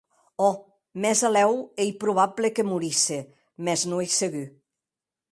O mèsalèu ei probable que morisse, mès que non ei segur.